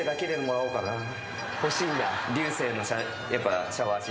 ほしいんだ。